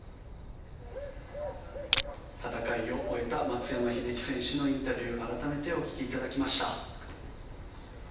戦いを終えた松山英樹選手のインタビュー改めてお聞きいただきました。